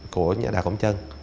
của nhà đạo công chân